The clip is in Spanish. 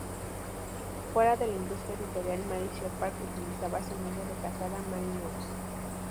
Fuera de la industria editorial, Mary Shepard utilizaba su nombre de casada Mary Knox.